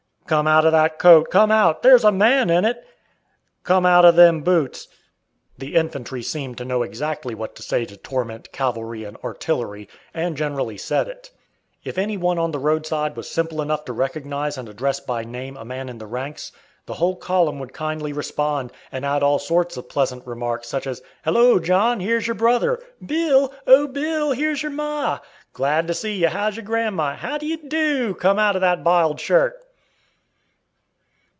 "Come out of that coat, come out there's a man in it!" "Come out of them boots!" The infantry seemed to know exactly what to say to torment cavalry and artillery, and generally said it. If any one on the roadside was simple enough to recognize and address by name a man in the ranks, the whole column would kindly respond, and add all sorts of pleasant remarks, such as, "Halloa, John, here's your brother!" "Bill! oh, Bill! here's your ma!" "Glad to see you! How's your grandma?" "How d 'ye do!" "Come out of that 'biled shirt'!"